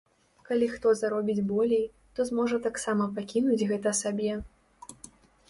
Калі хто заробіць болей, то зможа таксама пакінуць гэта сабе.